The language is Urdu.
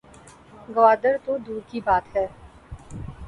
گوادر تو دور کی بات ہے